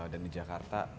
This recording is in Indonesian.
dan di jakarta ada lima